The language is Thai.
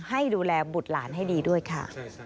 ให้ดูแลบุตรหลานให้ดีด้วยค่ะ